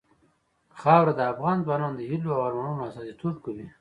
خاوره د افغان ځوانانو د هیلو او ارمانونو استازیتوب کوي.